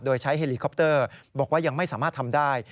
โดยใช้เฮลิคอปเตอร์บอกว่ายังไม่สามารถทำได้